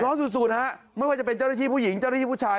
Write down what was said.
สุดสุดฮะไม่ว่าจะเป็นเจ้าหน้าที่ผู้หญิงเจ้าหน้าที่ผู้ชาย